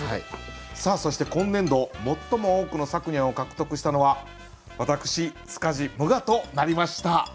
そして今年度最も多くのさくにゃんを獲得したのは私塚地武雅となりました。